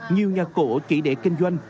nhiều nhà cổ chỉ để kinh doanh